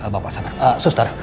bapak sabar suster